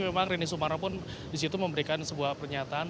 memang rini sumara pun disitu memberikan sebuah pernyataan